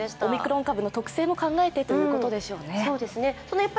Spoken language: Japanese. オミクロン株の特性も考えてということなんでしょうね。